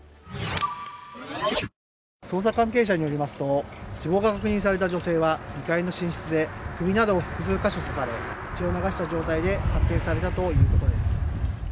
捜査関係者によりますと死亡が確認された女性は２階の寝室で首などを複数箇所刺され血を流した状態で発見されたということです。